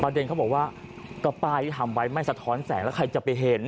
เด็นเขาบอกว่าก็ป้ายที่ทำไว้ไม่สะท้อนแสงแล้วใครจะไปเห็น